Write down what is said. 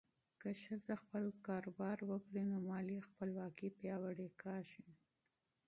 که ښځه خپل کاروبار وکړي، نو مالي خپلواکي پیاوړې کېږي.